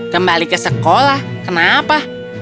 kembali ke sekolah kenapa